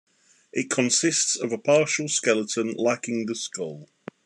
It consists of a partial skeleton lacking the skull.